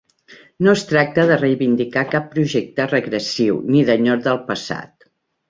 No es tracta de reivindicar cap projecte regressiu, ni d’enyor del passat.